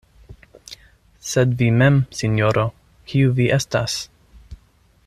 Sed vi mem, sinjoro, kiu vi estas?